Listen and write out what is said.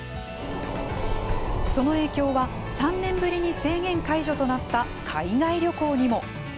その影響は、３年ぶりに制限解除となった海外旅行にも。